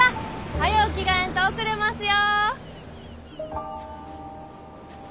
早う着替えんと遅れますよ！